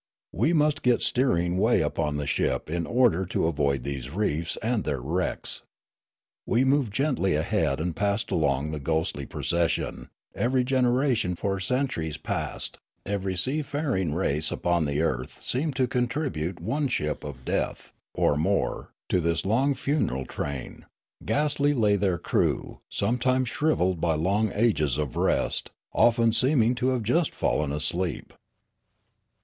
We must get steering way upon the ship in order to avoid these reefs and their wrecks. We moved gently ahead and passed along the ghostly procession ; every generation for centuries past, ever}' seafaring race upon earth seemed to con tribute one ship of death, or more, to this long funeral train ; ghastly laj^ their crew, sometimes shrivelled by long ages of rest, often seeming to have just fallen asleep.